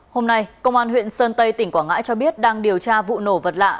hôm nay công an huyện sơn tây tỉnh quảng ngãi cho biết đang điều tra vụ nổ vật lạ